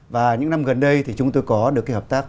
và những năm gần đây thì chúng tôi có được cái hợp tác